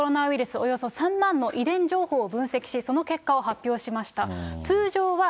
およそ３万の遺伝情報を分析し、その結果を発表しました。